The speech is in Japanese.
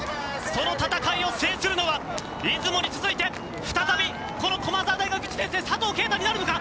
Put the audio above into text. その戦いを制するのは出雲に続いて再びこの駒澤大学、１年生佐藤圭汰になるのか。